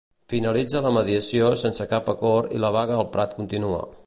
Finalitza la mediació sense cap acord i la vaga al Prat continua.